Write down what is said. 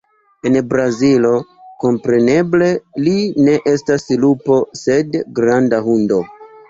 En Brazilo, kompreneble, li ne estas lupo, sed "granda hundo".